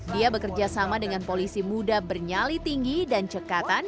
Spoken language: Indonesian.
dia bekerja sama dengan polisi muda bernyali tinggi dan cekatan